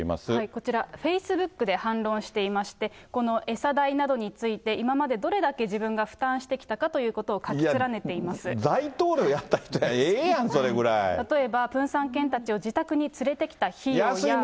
こちら、フェイスブックで反論していまして、この餌代などについて、今までどれだけ自分が負担してきたかということを書き連大統領やった人がええやん、例えばプンサン犬たちを自宅安いもんや。